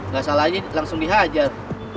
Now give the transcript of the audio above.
gak salah aja langsung diajar